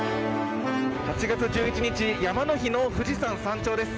８月１１日、山の日の富士山山頂です。